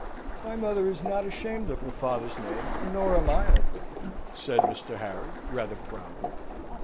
"My mother is not ashamed of her father's name, nor am I, uncle," said Mr. Harry, rather proudly.